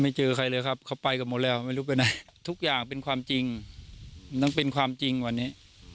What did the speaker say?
เจอใครเลยครับเขาไปกันหมดแล้วไม่รู้ไปไหนทุกอย่างเป็นความจริงต้องเป็นความจริงวันนี้